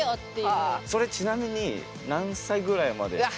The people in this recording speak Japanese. それちなみに何歳ぐらいまで？